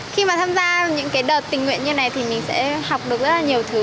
khi mà tham gia những cái đợt tình nguyện như này thì mình sẽ học được rất là nhiều thứ